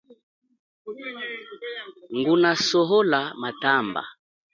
Nguna sohola matamba.